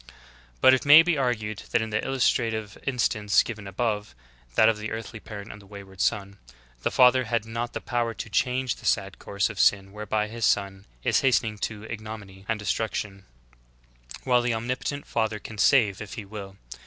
10. But, it may be argued that in the illustrative instance given above — that of the earthly parent and the v/ayward THE APOSTASY PREDICTED. 21 son, — the father had not the power to change the sad course of sin whereby his son is hastening to ignominy and destruc tion; while the omnipotent Father can save if He will.